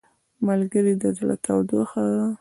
ملګری د زړه تودوخه ده